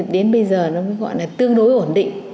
đến bây giờ nó mới gọi là tương đối ổn định